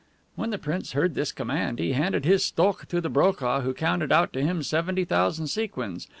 When the prince heard this command, he handed his STOKH to the BROKAH, who counted out to him seventy thousand sequins.